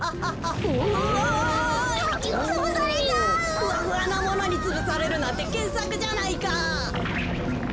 ふわふわなものにつぶされるなんてけっさくじゃないか。